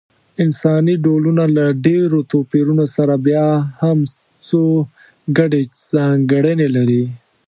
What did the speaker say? انساني ډولونه له ډېرو توپیرونو سره بیا هم څو ګډې ځانګړنې لري.